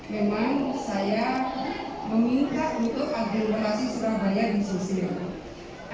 memang saya meminta untuk agenerasi surabaya di sosial